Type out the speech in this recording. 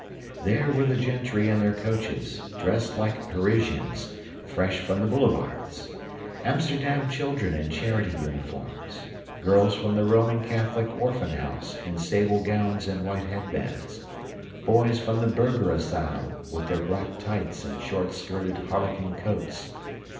There were the gentry in their coaches, dressed like Parisians, fresh from the boulevards; Amsterdam children in charity uniforms; girls from the Roman Catholic Orphan House, in sable gowns and white headbands; boys from the Burgher Asylum, with their black tights and short skirted, harlequin coats.